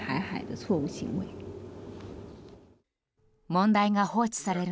問題が放置される